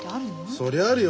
そりゃあるよ。